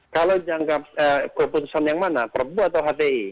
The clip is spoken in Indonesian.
kalau jangka keputusan yang mana perbu atau hti